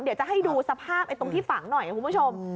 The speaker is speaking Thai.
เดี๋ยวจะให้ดูสภาพตรงที่ฝังหน่อยคุณผู้ชม